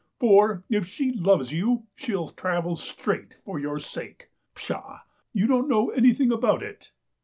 For if she loves you she'll travel straight for your sake. Pshaw ! You don't know anything about it."